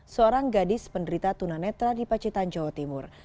seorang gadis penderita tunanetra di pacitan jawa timur